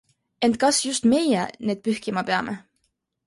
Ent kas just meie-need pühkima peame.